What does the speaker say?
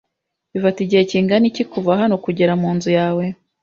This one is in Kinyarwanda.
Bifata igihe kingana iki kuva hano kugera munzu yawe?